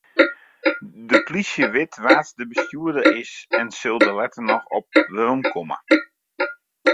De plysje wit wa't de bestjoerder is en sil dêr letter noch op weromkomme.